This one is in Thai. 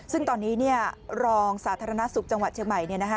ซึ่งตอนนี้รองสาธารณสุขจังหวัดเชียงใหม่